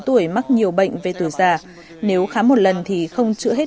tại quảng ngãi